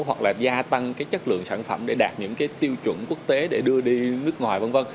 hoặc là gia tăng cái chất lượng sản phẩm để đạt những cái tiêu chuẩn quốc tế để đưa đi nước ngoài v v